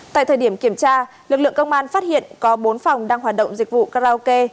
tại thời điểm kiểm tra lực lượng công an phát hiện có bốn phòng đang hoạt động dịch vụ karaoke